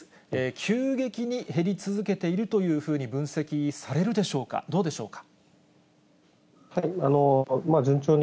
急激に減り続けているというふうに分析されるでしょうか、どうでしょうか。